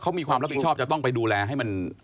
เขามีความรับผิดชอบจะต้องไปดูแลให้มัน